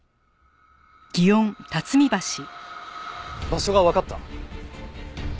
場所がわかった？